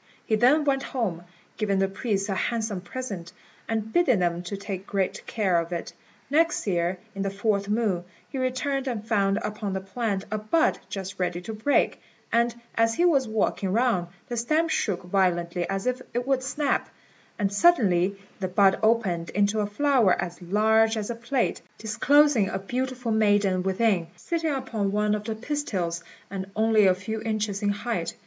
He then went home, giving the priests a handsome present, and bidding them take great care of it. Next year, in the fourth moon, he returned and found upon the plant a bud just ready to break; and as he was walking round, the stem shook violently as if it would snap, and suddenly the bud opened into a flower as large as a plate, disclosing a beautiful maiden within, sitting upon one of the pistils, and only a few inches in height.